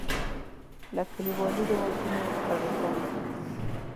له کلیوالي رواجونو غړېدلی.